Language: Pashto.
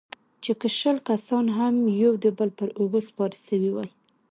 چې که شل کسان هم يو د بل پر اوږو سپاره سوي واى.